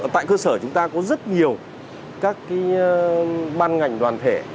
tại cơ sở chúng ta có rất nhiều các ban ngành đoàn thể